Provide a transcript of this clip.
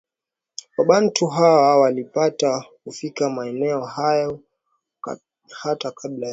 Wabantu hawa walipata kufika maeneo hayo hata kabla ya miaka ya Mia sita